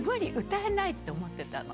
歌えない！って思ってたの。